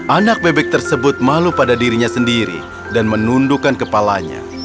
anak bebek tersebut malu pada dirinya sendiri dan menundukkan kepalanya